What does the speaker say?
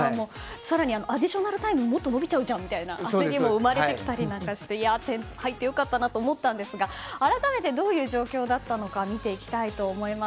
更にアディショナルタイムがもっと延びちゃうじゃんという焦りも生まれたりして点入って良かったと思ったんですが改めてどういう状況だったか見ていきたいと思います。